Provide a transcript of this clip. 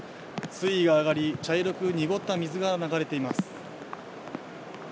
水位が上がり、茶色く濁った水が流れています。